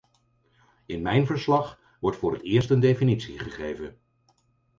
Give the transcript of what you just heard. In mijn verslag wordt voor het eerst een definitie gegeven.